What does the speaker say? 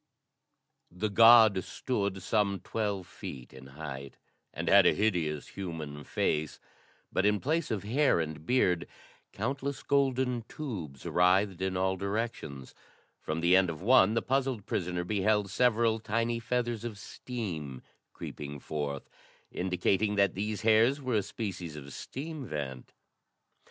The god stood some twelve feet in height and had a hideous human face, but, in place of hair and beard, countless golden tubes writhed in all directions. From the end of one, the puzzled prisoner beheld several tiny feathers of steam creeping forth, indicating that these hairs were a species of steam vent.